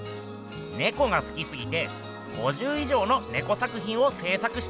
ネコがすきすぎて５０以上のネコ作品を制作したっす。